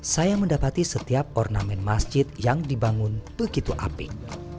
saya mendapati setiap ornamen masjid yang dibangun begitu apik